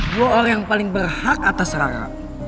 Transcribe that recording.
gue orang yang paling berhak atas rara